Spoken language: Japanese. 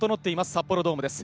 札幌ドームです。